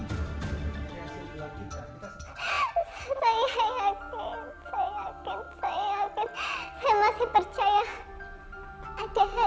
saya yakin saya yakin saya yakin saya masih percaya